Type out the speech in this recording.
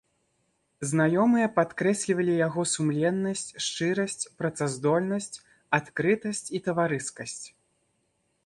Знаёмыя падкрэслівалі яго сумленнасць, шчырасць, працаздольнасць, адкрытасць і таварыскасць.